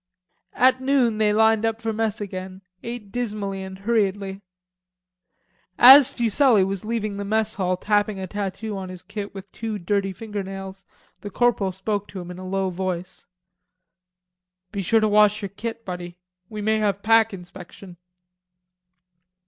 At noon they lined up for mess again, ate dismally and hurriedly. As Fuselli was leaving the mess hall tapping a tattoo on his kit with two dirty finger nails, the corporal spoke to him in a low voice. "Be sure to wash yer kit, buddy. We may have pack inspection."